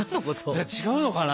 じゃあ違うのかな。